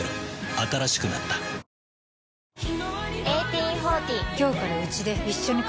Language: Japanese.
新しくなった輝く！